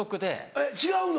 えっ違うの？